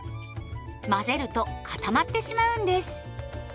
混ぜると固まってしまうんです。